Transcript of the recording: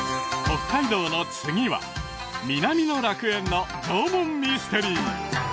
北海道の次は南の楽園の縄文ミステリー